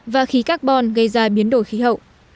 và khí carbon gây ra biến khóa